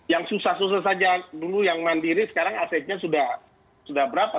yang susah susah saja dulu yang mandiri sekarang asetnya sudah berapa